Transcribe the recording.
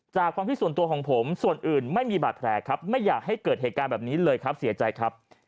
ความคิดส่วนตัวของผมส่วนอื่นไม่มีบาดแผลครับไม่อยากให้เกิดเหตุการณ์แบบนี้เลยครับเสียใจครับ